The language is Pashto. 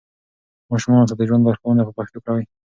ماشومانو ته د ژوند لارښوونه په پښتو کوئ.